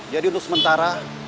jadi untuk sementara